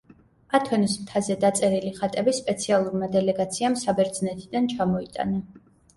ათონის მთაზე დაწერილი ხატები სპეციალურმა დელეგაციამ საბერძნეთიდან ჩამოიტანა.